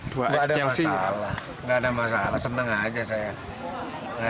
tak ada masalah senang saja saya